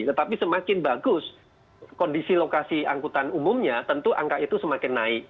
tetapi semakin bagus kondisi lokasi angkutan umumnya tentu angka itu semakin naik